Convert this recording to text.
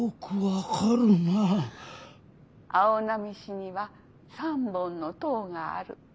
「青波市には３本の塔がある」。